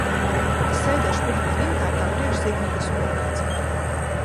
Es sēdēšu pirmajā rindā kā priekšzīmīga skolniece.